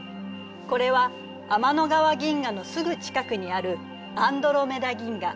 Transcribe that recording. これは天の川銀河のすぐ近くにあるアンドロメダ銀河。